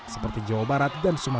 seperti jawa barat dan sumatera